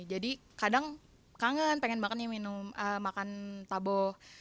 jadi kadang kangen pengen makan taboh